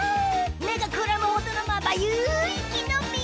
めがくらむほどのまばゆいきのみ！